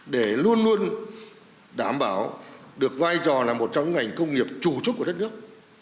để luôn luôn đảm bảo được vai trò là một trong những ngành công nghiệp chủ chốt của đất nước